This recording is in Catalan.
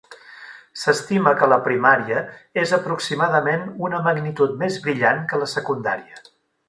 S'estima que la primària és aproximadament una magnitud més brillant que la secundària.